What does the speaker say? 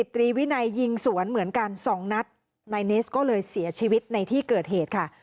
ตรีวินัยยิงสวนเหมือนกันสองนัดนายเนสก็เลยเสียชีวิตในที่เกิดเหตุค่ะ